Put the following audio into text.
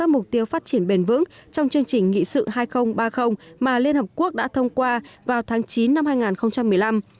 mục tiêu phát triển bền vững trong chương trình nghị sự hai nghìn ba mươi mà liên hợp quốc đã thông qua vào tháng chín năm hai nghìn một mươi năm